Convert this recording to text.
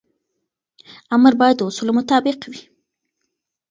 امر باید د اصولو مطابق وي.